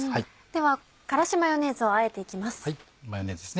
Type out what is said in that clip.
では辛子マヨネーズをあえて行きます。